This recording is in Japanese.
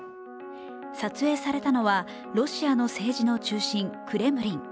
撮影されたのはロシアの政治の中心、クレムリン。